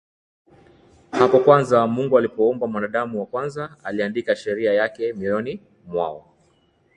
Hapo Mwanzo Mungu alipomuumba Mwanadamu wa kwanza Aliandika sheria yake Mioyoni mwao